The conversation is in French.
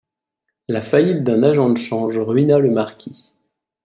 La faillite d’un agent de change ruina le marquis.